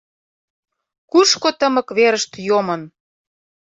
Кушко тымык верышт йомын?